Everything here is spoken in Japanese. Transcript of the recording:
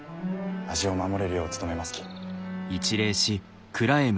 味を守れるよう努めますき。